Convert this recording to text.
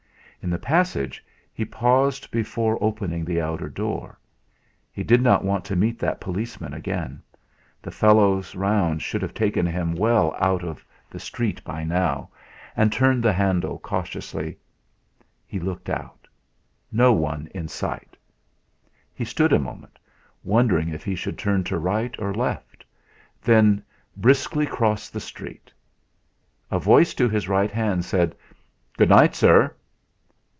In the passage he paused before opening the outer door. He did not want to meet that policeman again; the fellow's round should have taken him well out of the street by now, and turning the handle cautiously, he looked out. No one in sight. He stood a moment, wondering if he should turn to right or left, then briskly crossed the street. A voice to his right hand said: "Good night, sir."